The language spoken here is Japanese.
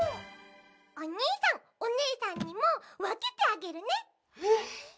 おにいさんおねえさんにもわけてあげるね。